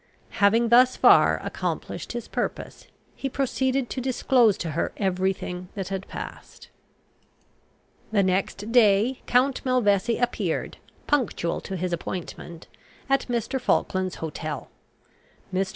Having thus far accomplished his purpose, he proceeded to disclose to her every thing that had passed. The next day Count Malvesi appeared, punctual to his appointment, at Mr. Falkland's hotel. Mr.